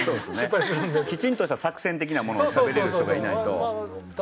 きちんとした作戦的なものをしゃべれる人がいないと。